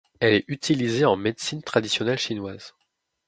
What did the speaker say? Elle est utilisée en médecine traditionnelle chinoise.